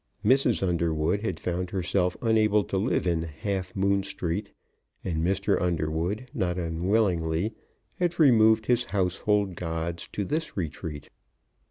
Mrs. Underwood had found herself unable to live in Half moon Street; and Mr. Underwood, not unwillingly, had removed his household gods to this retreat.